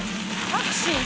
タクシー。